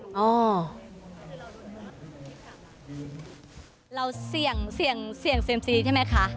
เราเสี่ยงเสี่ยงเสี่ยงเซ็มซีใช่ไหมคะ